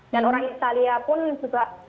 dan orang italia pun juga